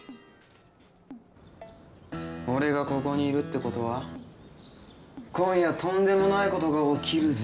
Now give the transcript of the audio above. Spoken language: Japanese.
俺がここにいるってことは今夜とんでもないことが起きるぜ。